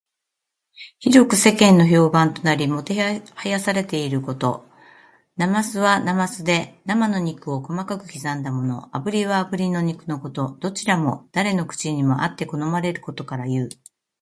広く世間の評判となり、もてはやされていること。「膾」はなますで、生の肉を細かく刻んだもの。「炙」はあぶり肉のこと。どちらも誰の口にもあって好まれることからいう。